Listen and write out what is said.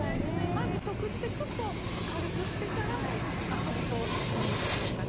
まず食事でちょっと軽くしてから遊ぶといいんでしょうかね。